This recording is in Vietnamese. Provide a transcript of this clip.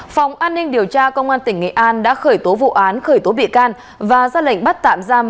phòng an ninh điều tra công an tỉnh nghệ an đã khởi tố vụ án khởi tố bị can và ra lệnh bắt tạm giam